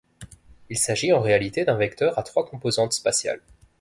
Il s'agit en réalité d'un vecteur à trois composantes spatiales.